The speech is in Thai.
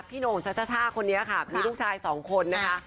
โหน่งชัชชาคนนี้ค่ะมีลูกชายสองคนนะคะ